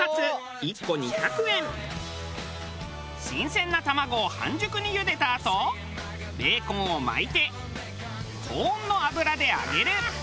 新鮮な卵を半熟にゆでたあとベーコンを巻いて高温の油で揚げる。